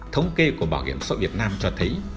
thống kê của bảo hiểm xã hội việt nam cho thấy